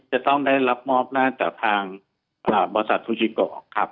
จะต้องได้รับมอบน่าจากทางบริษัทฟูจิโก